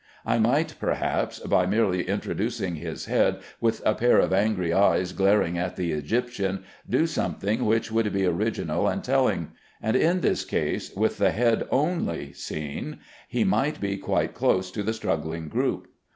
I might perhaps, by merely introducing his head with a pair of angry eyes glaring at the Egyptian, do something which would be original and telling; and in this case, with the head only seen, he might be quite close to the struggling group.